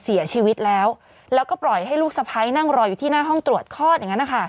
เสียชีวิตแล้วแล้วก็ปล่อยให้ลูกสะพ้ายนั่งรออยู่ที่หน้าห้องตรวจคลอดอย่างนั้นนะคะ